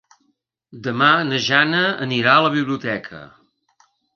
Demà na Jana anirà a la biblioteca.